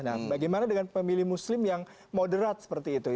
nah bagaimana dengan pemilih muslim yang moderat seperti itu